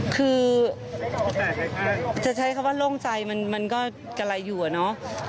คือจะใช้คำว่าโล่งใจมันก็กะไรอยู่อะเนาะ